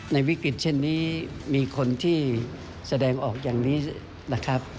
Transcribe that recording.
วิกฤตเช่นนี้มีคนที่แสดงออกอย่างนี้นะครับ